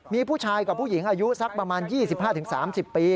มีผู้ชายกับผู้หญิงอายุสักประมาณ๒๕๓๐ปี